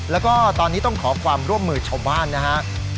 แล้วก็ตอนนี้ต้องขอความร่วมมือชาวบ้านนะครับ